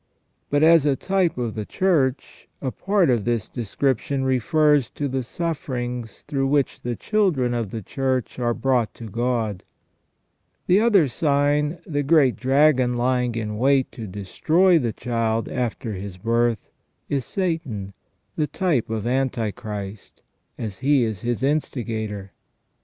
But, as a type of the Church, a part of this description refers to the suffer ings through which the children of the Church are brought to God. The other sign, the great dragon lying in wait to destroy the Child after His birth is Satan, the type of Antichrist, as he is his instigator.